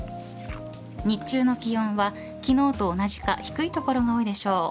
日中の気温は昨日と同じか低い所が多いでしょう。